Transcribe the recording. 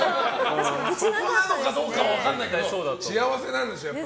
そこなのかどうかは分からないけど、幸せなんでしょ。